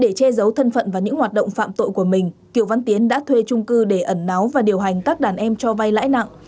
để che giấu thân phận và những hoạt động phạm tội của mình kiều văn tiến đã thuê trung cư để ẩn náu và điều hành các đàn em cho vay lãi nặng